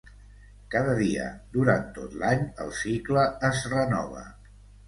Cada dia, durant tot l'any, el cicle es renova.